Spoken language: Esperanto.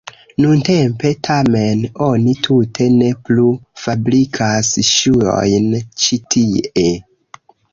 Nuntempe tamen oni tute ne plu fabrikas ŝuojn ĉi tie.